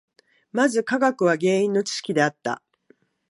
まず科学は原因の知識であった。